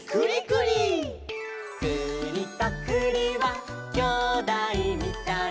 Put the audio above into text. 「くりとくりはきょうだいみたい」